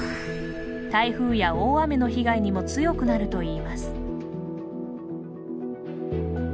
台風や大雨の被害にも強くなるといいます。